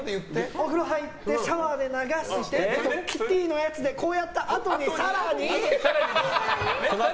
お風呂入ってシャワーで流してキティのやつでこうやったあとに、更に。